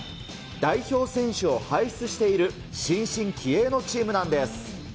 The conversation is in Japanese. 代表選手を輩出している新進気鋭のチームなんです。